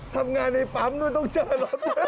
ทำงานในปั๊มต้องเจอรถ